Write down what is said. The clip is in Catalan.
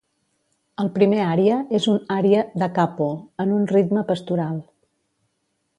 El primer ària és un ària "da capo" en un ritme pastoral.